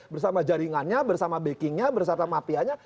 bersama jaringannya bersama backingnya bersama mafianya